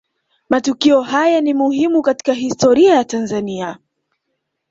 Matukio haya ni muhimu katika historia ya Tanzania